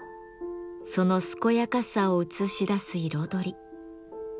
その健やかさをうつしだす彩り。